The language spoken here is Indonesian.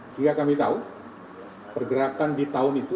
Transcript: sehingga kami tahu pergerakan di tahun itu